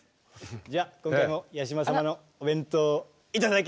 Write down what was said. じゃあ今回も八嶋様のお弁当頂きに行ってきます。